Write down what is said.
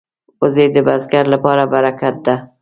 وزې د بزګر لپاره برکت ده